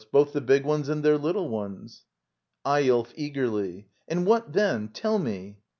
Both the big ones and their little ones. Eyolf. [Eagerly.] And what then —? Tell me!